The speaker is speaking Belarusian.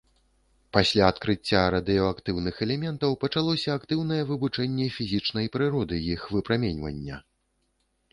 Пасля адкрыцця радыеактыўных элементаў пачалося актыўнае вывучэнне фізічнай прыроды іх выпрамянення.